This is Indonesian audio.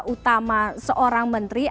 utama seorang menteri